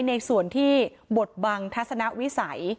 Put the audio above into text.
ในส่วนที่บทบังทัศนวิสัย